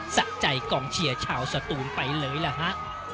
สะใจกองเชียร์ชาวสตูนไปเลยล่ะฮะ